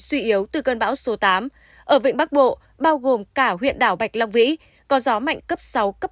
suy yếu từ cơn bão số tám ở vịnh bắc bộ bao gồm cả huyện đảo bạch long vĩ có gió mạnh cấp sáu cấp năm